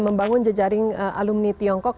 membangun jejaring alumni tiongkok